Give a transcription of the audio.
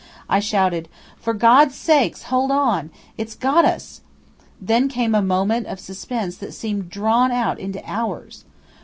I shouted, "For God's sake, hold on! It's got us!" Then came a moment of suspense that seemed drawn out into hours.